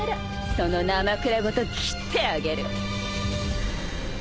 そのなまくらごと斬ってあげる